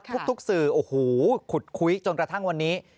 ทุกสื่อโอ้โหขุดคุยจนกระทั่งวันนี้